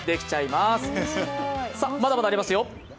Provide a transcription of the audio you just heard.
まだまだありますよ。